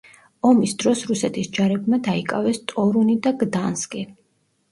ომის დროს რუსეთის ჯარებმა დაიკავეს ტორუნი და გდანსკი.